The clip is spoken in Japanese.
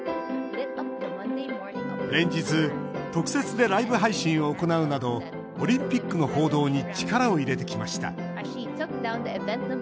連日、特設でライブ配信を行うなどオリンピックの報道に力を入れてきました。